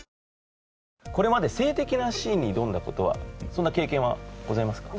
これまで性的なシーンに挑んだ事はそんな経験はございますか？